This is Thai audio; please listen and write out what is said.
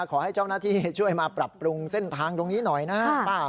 ขอให้เจ้าหน้าที่ช่วยมาปรับปรุงเส้นทางตรงนี้หน่อยนะป้า